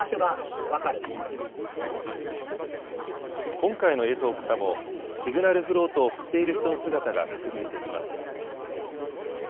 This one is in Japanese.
今回の映像からも、シグナルフロートを振っている人の姿が確認できます。